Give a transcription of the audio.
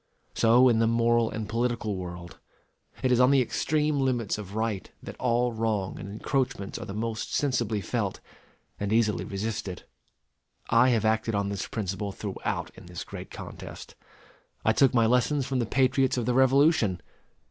So in the moral and political world. It is on the extreme limits of right that all wrong and encroachments are the most sensibly felt and easily resisted. I have acted on this principle throughout in this great contest. I took my lessons from the patriots of the Revolution.